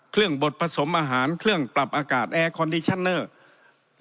บทผสมอาหารเครื่องปรับอากาศแอร์คอนดิชันเนอร์